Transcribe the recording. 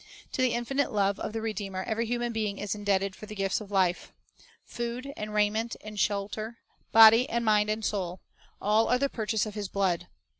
To the infinite love of the Redeemer every human being is indebted for the gifts of life. Food and raiment and shelter, body and mind and soul, — all are the purchase of His blood.